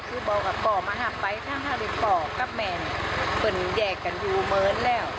คือบอกกับพ่อมาหักไฟถ้าหรือพ่อก็แม่นเหมือนแยกกันอยู่เหมือนแล้ว